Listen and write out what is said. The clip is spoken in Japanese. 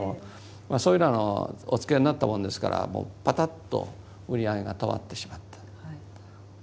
まあそういうなのがお付けになったものですからもうパタッと売り上げが止まってしまった。